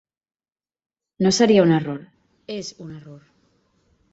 No seria un error, és un error.